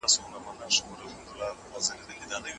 د سياست فلسفه د اخلاقو سره څه اړيکه لري؟